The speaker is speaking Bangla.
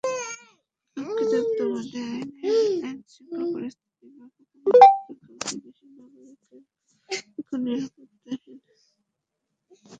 কর্তৃত্ববাদী শাসনে আইনশৃঙ্খলা পরিস্থিতির ব্যাপক অবনতির প্রেক্ষাপটে দেশের নাগরিকেরা এখন নিরাপত্তাহীন।